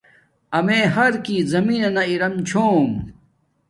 امے حرکی زمین نانا ارم چھوم